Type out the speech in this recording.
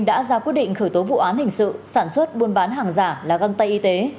đã ra quyết định khởi tố vụ án hình sự sản xuất buôn bán hàng giả là găng tay y tế